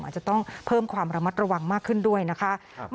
อาจจะต้องเพิ่มความระมัดระวังมากขึ้นด้วยนะคะ